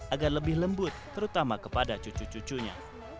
agar lebih lembut terutama kepada cucu cucunya